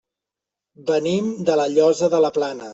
Venim de La Llosa de la Plana.